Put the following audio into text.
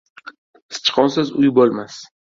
• Sichqonsiz uy bo‘lmas.